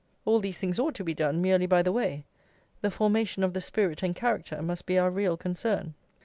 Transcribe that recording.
All these things ought to be done merely by the way: the formation of the spirit and character must be our real concern."